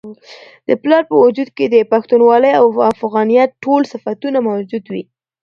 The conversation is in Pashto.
د پلار په وجود کي د پښتونولۍ او افغانیت ټول صفتونه موجود وي.